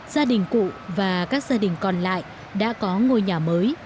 gia đình cụ và các gia đình còn lại đã có ngôi nhà mới